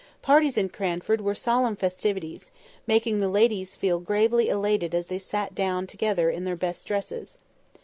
Parties in Cranford were solemn festivities, making the ladies feel gravely elated as they sat together in their best dresses.